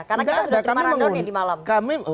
karena kita sudah tidur maradon ya di malam